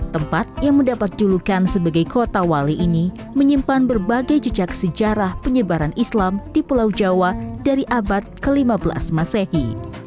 tempat yang mendapat julukan sebagai kota wali ini menyimpan berbagai jejak sejarah penyebaran islam di pulau jawa dari abad ke lima belas masehi